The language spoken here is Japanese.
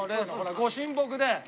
御神木で。